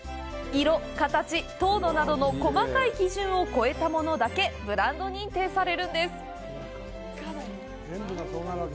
色、形、糖度などの細かい基準を超えたものだけブランド認定されるんです。